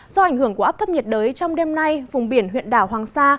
do ảnh hưởng của áp thấp nhiệt đới trong đêm nay vùng biển huyện đảo hoàng sa